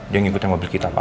dia yang ikutin mobil kita pak